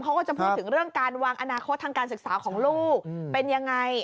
เขาก็จะพูดถึงเรื่องการวางอนาคตทางการศึกษาของลูกเป็นยังไง